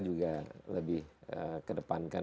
juga lebih kedepankan